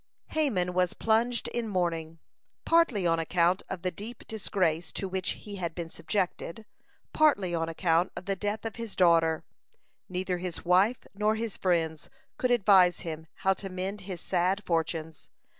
Haman was plunged in mourning, partly on account of the deep disgrace to which he had been subjected, partly on account of the death of his daughter. (174) Neither his wife nor his friends could advise him how to mend his sad fortunes.